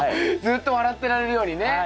ずっと笑ってられるようにね。